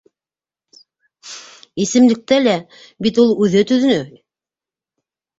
Исемлекте лә бит ул үҙе төҙөнө.